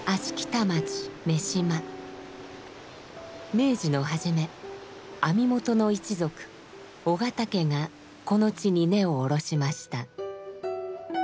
明治の初め網元の一族緒方家がこの地に根を下ろしました。